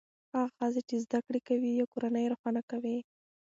هغه ښځې چې زده کړې کوي کورنۍ روښانه کوي.